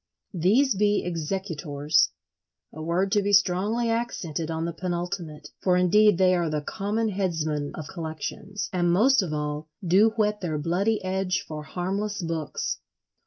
These be Executors—a word to be strongly accented on the penultimate; for, indeed, they are the common headsmen of collections, and most of all do whet their bloody edge for harmless books.